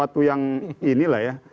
satu yang inilah ya